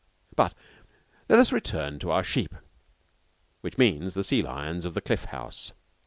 But let us return to our sheep which means the sea lions of the Cliff House.